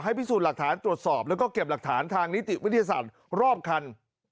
พิสูจน์หลักฐานตรวจสอบแล้วก็เก็บหลักฐานทางนิติวิทยาศาสตร์รอบคัน